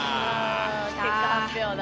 結果発表だ。